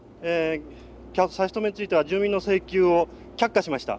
差し止めについては住民の請求を却下しました。